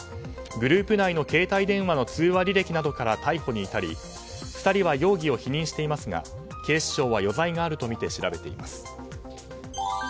グループ内の携帯電話の通話履歴などから逮捕に至り２人は容疑を否認していますが警視庁は余罪があるとみて調べています。